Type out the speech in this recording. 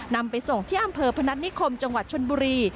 นำไปส่งที่อำเภอพนัฐนิคมจังหวัดชนบุรี